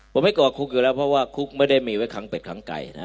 ผมให้ก่อคุกอยู่แล้วเพราะว่าคุกไม่ได้มีไว้ขังเป็ดครั้งไก่นะ